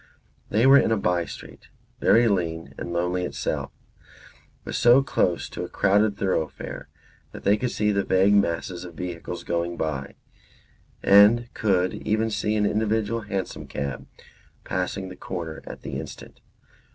They were in a by street, very lean and lonely itself, but so close to a crowded thoroughfare that they could see the vague masses of vehicles going by, and could even see an individual hansom cab passing the corner at the instant.